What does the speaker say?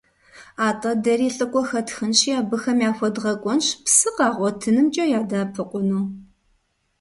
АтӀэ дэри лӀыкӀуэ хэтхынщи, абыхэм яхуэдгъэкӀуэнщ псы къагъуэтынымкӀэ ядэӀэпыкъуну.